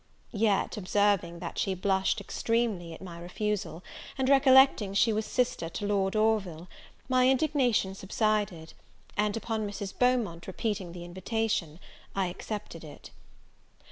Yet, observing that she blushed extremely at my refusal, and recollecting she was sister to Lord Orville, my indignation subsided; and, upon Mrs. Beaumont repeating the invitation, I accepted it.